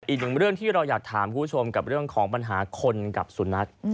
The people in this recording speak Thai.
อีกหนึ่งเรื่องที่เราอยากถามคุณผู้ชมกับเรื่องของปัญหาคนกับสุนัข